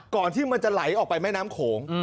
ที่มันจะไหลออกไปแม่น้ำโขง